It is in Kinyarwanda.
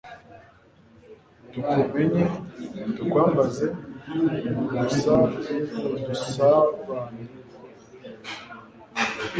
tukumenye, tukwambaze, gumya udusabanye